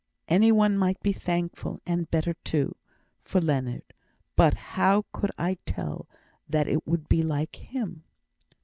any one might be thankful, and better too, for Leonard; but how could I tell that it would be like him?"